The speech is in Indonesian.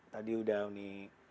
tadi uda ini